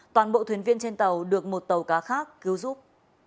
toàn bộ thuyền viên trên tàu được một tàu cá khác cứu giúp